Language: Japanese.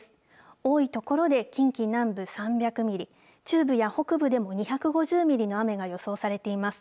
多いところで近畿南部３００ミリ、中部や北部でも２５０ミリの雨が予想されています。